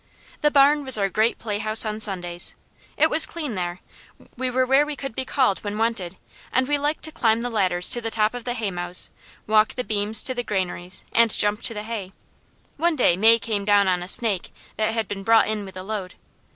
The barn was our great playhouse on Sundays. It was clean there, we were where we could be called when wanted, and we liked to climb the ladders to the top of the haymows, walk the beams to the granaries, and jump to the hay. One day May came down on a snake that had been brought in with a load.